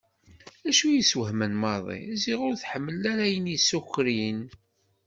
Acu i y-isswehmen maḍi, ziɣ ur tḥemmel ara ayen isukṛin.